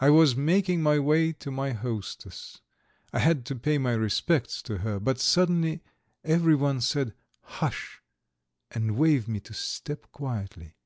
I was making my way to my hostess; I had to pay my respects to her, but suddenly everyone said "Hush!" and waved me to step quietly.